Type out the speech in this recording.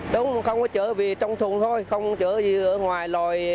đúng không có chữa vì trong thùng thôi không chữa gì ở ngoài lòi